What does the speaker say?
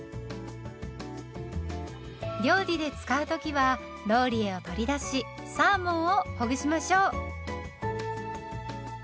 料理で使う時はローリエを取り出しサーモンをほぐしましょう。